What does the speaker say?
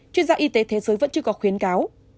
chuyên gia y tế thế giới vẫn chưa có khuyến cáo